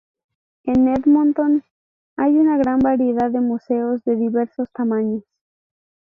En Edmonton hay una gran variedad de museos de diversos tamaños.